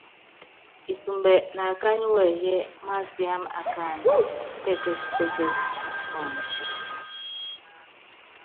Isumbɛ nákányí wɛyí másiáma akáánɛ, pɛkɛspɛkɛs nɔ tuɔnɔ.